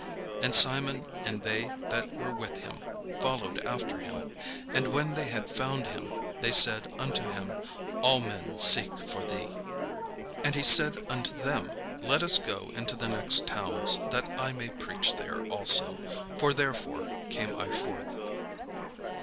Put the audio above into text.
And Simon and they that were with him followed after him. And when they had found him, they said unto him, "All men seek for thee." And he said unto them, "Let us go into the next towns, that I may preach there also; for therefore came I forth."